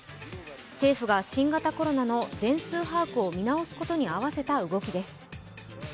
政府が新型コロナの全数把握を見直すことに合わせた動きです。